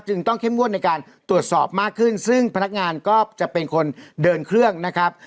ต้องเข้มงวดในการตรวจสอบมากขึ้นซึ่งพนักงานก็จะเป็นคนเดินเครื่องนะครับ